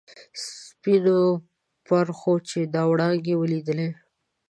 سپینو پرخو چې دا وړانګې ولیدلي.